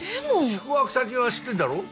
宿泊先は知ってんだろう？